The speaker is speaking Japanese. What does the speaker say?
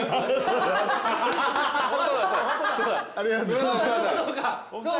ありがとうございます。